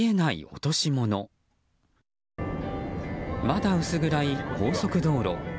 まだ薄暗い高速道路。